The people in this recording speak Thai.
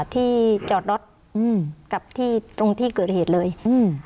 ที่จอดรถอืมกับที่ตรงที่เกิดเหตุเลยอืม